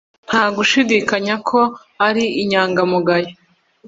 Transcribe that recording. Nta gushidikanya ko ari inyangamugayo